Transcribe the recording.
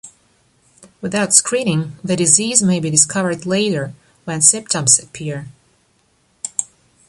Without screening the disease may be discovered later, when symptoms appear.